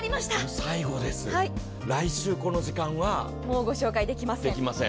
最後です、来週この時間は御紹介できません。